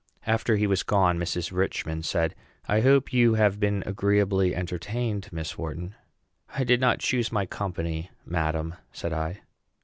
After he was gone, Mrs. Richman said, "I hope you have been agreeably entertained, Miss Wharton." "I did not choose my company, madam," said I.